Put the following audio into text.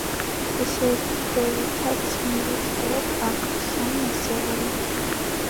ესე იგი, ქვევითაც მივუწეროთ აქ — სამი ასეული.